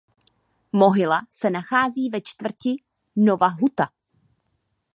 Mohyla se nachází ve čtvrti Nowa Huta.